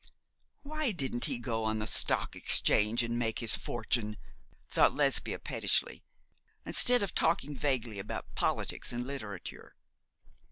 'Why didn't he go on the Stock Exchange and make his fortune?' thought Lesbia, pettishly, 'instead of talking vaguely about politics and literature.'